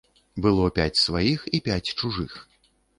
Было пяць сваіх і пяць чужых.